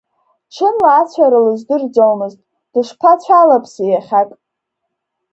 Ҽынла ацәара лыздырӡомызт, дышԥацәалаԥси иахьак.